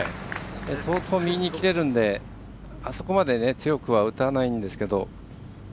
相当、右に切れるのであそこまで強くは打たないんですけど。